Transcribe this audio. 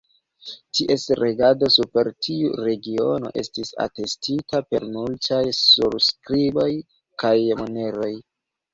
Ties regado super tiu regiono estis atestita per multaj surskriboj kaj moneroj.